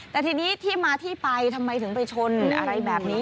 แต่ทีนี้ที่มาที่ไปทำไมถึงไปชนอะไรแบบนี้